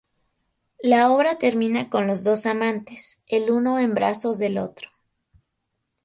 La obra termina con los dos amantes el uno en brazos del otro.